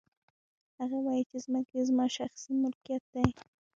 هغه وايي چې ځمکې زما شخصي ملکیت دی